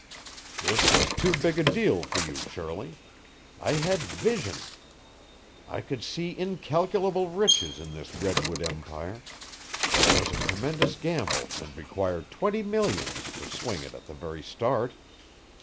"This was too big a deal for you, Shirley. I had vision. I could see incalculable riches in this redwood empire, but it was a tremendous gamble and required twenty millions to swing it at the very start.